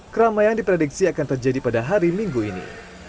keramaian diprediksi akan terjadi pada hari minggu ini